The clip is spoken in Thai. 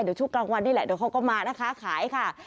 เดี๋ยวช่วงกลางวันนี่แหละเดี๋ยวเขาก็มานะคะขายค่ะ